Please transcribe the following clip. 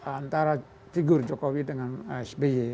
antara figur jokowi dengan sby